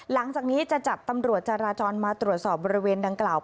หลังจากนี้จะจับตำรวจจราจรมาตรวจสอบบริเวณดังกล่าว